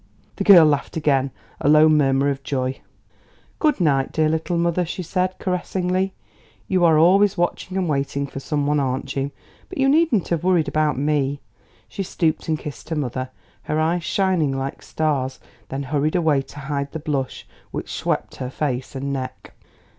The girl laughed again, a low murmur of joy. "Good night, dear little mother," she said caressingly. "You are always watching and waiting for some one; aren't you? But you needn't have worried about me." She stooped and kissed her mother, her eyes shining like stars; then hurried away to hide the blush which swept her face and neck.